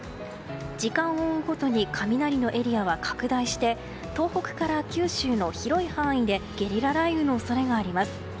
時間を追うごとに雷エリアは拡大して東北から九州の広い範囲でゲリラ雷雨の恐れがあります。